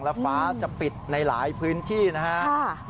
แล้วฟ้าจะปิดในหลายพื้นที่นะครับ